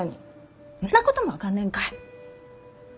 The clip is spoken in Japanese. んなことも分かんねぇんかい。